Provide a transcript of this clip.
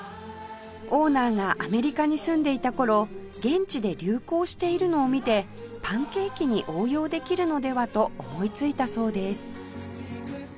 オーナーがアメリカに住んでいた頃現地で流行しているのを見てパンケーキに応用できるのではと思いついたそうです